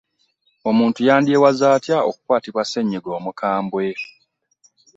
Omuntu yandyewazze atya okukwatibwa ssenyiga omukambwe.